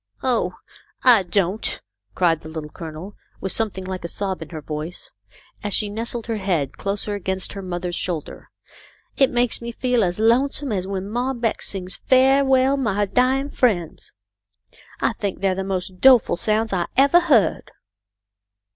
" Oh, I don't," cried the Little Colonel, with some thing like a sob in her voice, as she nestled her head closer against her mother's shoulder. " It makes me feel as lonesome as when Mom Beck sings ' Fa' well, my dyin' friends.' I think they're the most doleful sounds I evah heard."